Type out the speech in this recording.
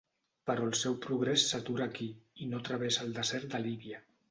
Però el seu progrés s'atura aquí i no travessa el desert de Líbia.